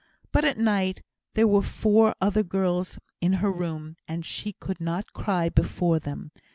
But at night there were four other girls in her room, and she could not cry before them.